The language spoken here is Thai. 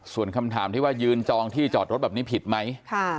ส่วนคำถามที่ว่ายืนจองที่จอดรถแบบนี้ผิดไหม